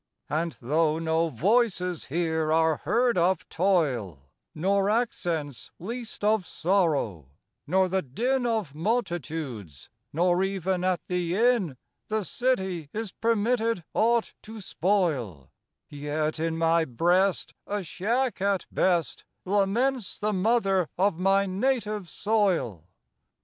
4i And though no voices here are heard of toil, Nor accents least of sorrow, nor the din Of multitudes, nor even at the Inn The City is permitted aught to spoil, Yet in my breast, A shack at best, Laments the mother of my native soil.